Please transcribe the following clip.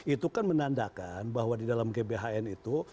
itu kan menandakan bahwa di dalam gbhn itu